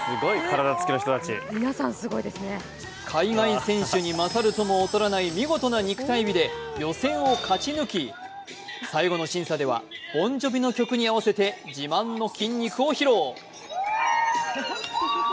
海外選手に勝るとも劣らない見事な肉体美で予選を勝ち抜き、最後の審査ではＢｏｎＪｏｖｉの曲に合わせて自慢の筋肉を披露。